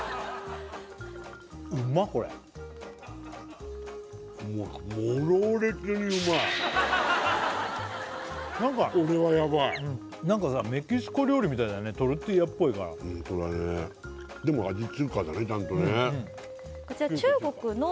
これこれはヤバいなんかさメキシコ料理みたいだねトルティーヤっぽいからホントだねでも味中華だねちゃんとね